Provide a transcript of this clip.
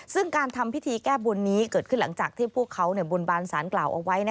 ซึ่งการทำพิธีแก้บนนี้เกิดขึ้นหลังจากที่พวกเขาบนบานสารกล่าวเอาไว้